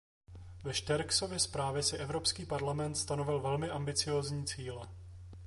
Ve Sterckxově zprávě si Evropský parlament stanovil velmi ambiciózní cíle.